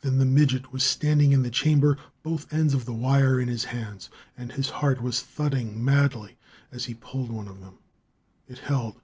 Then the midget was standing in the chamber, both ends of the wire in his hands; and his heart was thudding madly as he pulled one of them. It held.